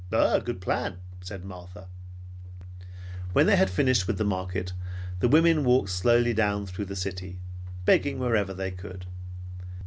"A good plan," said Martha. When they had finished with the market, the women walked slowly down through the city, begging wherever they could.